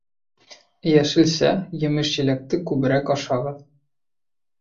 Йәшелсә, емеш-еләкте күберәк ашағыҙ